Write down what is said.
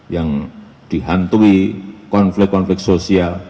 yang dihantui konflik konflik sosial